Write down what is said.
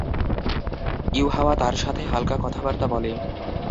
ইউহাওয়া তার সাথে হাল্কা কথাবার্তা বলে।